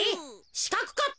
しかくかった？